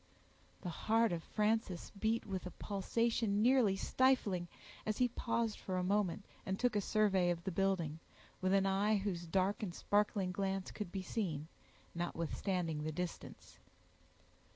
The heart of Frances beat with a pulsation nearly stifling, as he paused for a moment, and took a survey of the building, with an eye whose dark and sparkling glance could be seen, notwithstanding the distance.